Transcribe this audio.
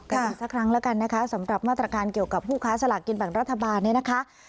อีกสักครั้งแล้วกันนะคะสำหรับมาตรการเกี่ยวกับผู้ค้าสลากกินแบ่งรัฐบาลเนี่ยนะคะ